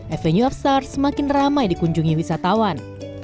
avenue of stars semakin ramai dikunjungi wisatawan